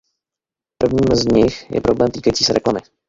Prvním z nich je problém týkající se reklamy.